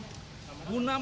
dan jangka panjang